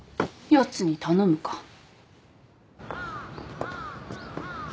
やつに頼むか。